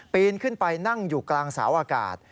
นขึ้นไปนั่งอยู่กลางเสาอากาศ